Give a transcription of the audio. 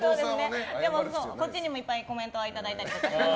こっちにもいっぱいコメントはいただいたりとか。